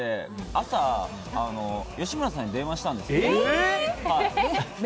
朝、吉村さんに電話したんです。